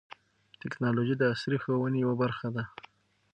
ټیکنالوژي د عصري ښوونې یوه برخه ده.